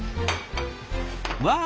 わあ！